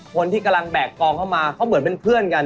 คนที่กำลังแบกกองเข้ามาเขาเหมือนเป็นเพื่อนกัน